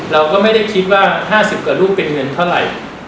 เราก็ไม่ได้คิดว่า๕๐กว่ารูปเป็นเงินเท่าไหร่